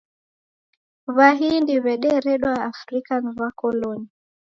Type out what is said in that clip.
W'ahindi w'ederedwa Afrika ni W'akoloni